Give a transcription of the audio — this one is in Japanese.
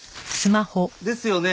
ですよね？